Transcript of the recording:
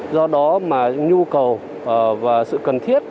do đó mà nhu cầu và sự cần thiết